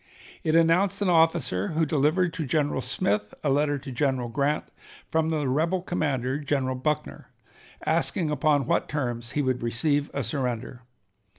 It announced an officer, who delivered to General Smith a letter to General Grant from the rebel commander, General Buckner, asking upon what terms he would receive a surrender.